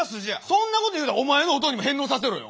そんなこと言うたらお前のおとんにも返納させろよ。